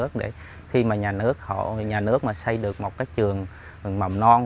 cho nhà nước khi mà nhà nước xây được một cái trường mầm non